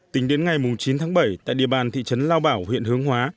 tính đến ngày chín tháng bảy tại địa bàn thị trấn lao bảo huyện hướng hóa